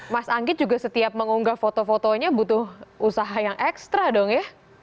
mas anggit juga setiap mengunggah foto fotonya butuh usaha yang ekstra dong ya